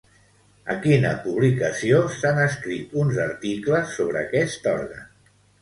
A quina publicació s'han escrit uns articles sobre aquest òrgan?